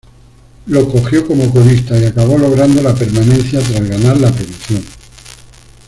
Lo cogió como colista y acabó logrando la permanencia tras ganar la promoción.